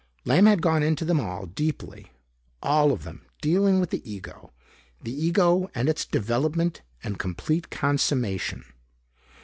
Lamb had gone into them all, deeply. All of them dealing with the ego. The ego and its development and complete consummation.